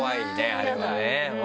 あれはね。